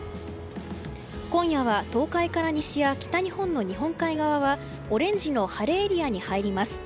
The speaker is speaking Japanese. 今夜は東海から西や北日本の日本海側はオレンジの晴れエリアに入ります。